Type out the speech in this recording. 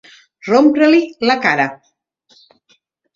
Rompre-li la cara.